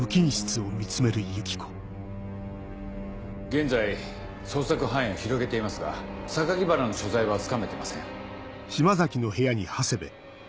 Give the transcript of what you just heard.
現在捜索範囲を広げていますが原の所在はつかめてません。